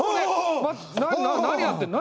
何やってんの？